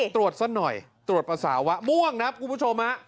ตรวจสักหน่อยตรวจภาษาวะม่วงนะครับคุณผู้ชม